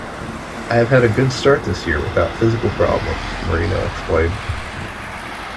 "I have had a good start this year, without physical problems", Moreno explained.